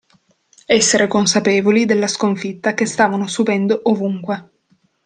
Essere consapevoli della sconfitta che stavano subendo ovunque.